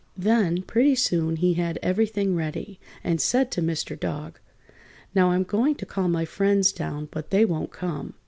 Then, pretty soon he had everything ready, and said to Mr. Dog: "Now I'm going to call my friends down, but they won't come."